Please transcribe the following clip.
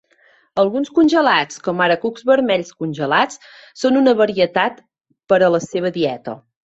Alguns congelats, com ara cucs vermells congelats, són una varietat per a la seva dieta.